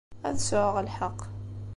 Ad sɛuɣ lḥeqq.